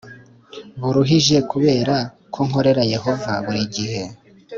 buruhije Kubera ko nkorera Yehova buri gihe